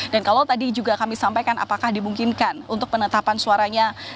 dan kalau tadi juga kami sampaikan apakah dimungkinkan untuk penetapan suaranya